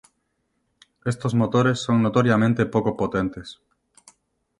Estos motores son notoriamente poco potentes.